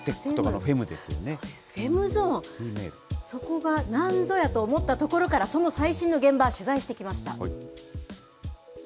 フェムゾーン、そこがなんぞやと思ったところから、その最新の現場、取材してきました。